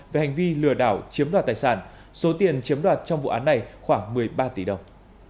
đi lừa đảo chiếm đoạt tài sản số tiền chiếm đoạt trong vụ án này khoảng một mươi ba tỷ đồng